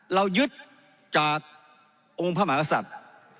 เรายึดจากองค์พระมหากษัตริย์